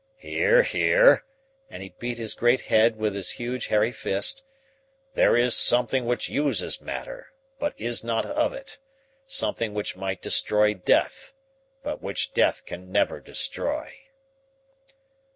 Here here" and he beat his great head with his huge, hairy fist "there is something which uses matter, but is not of it something which might destroy death, but which death can never destroy."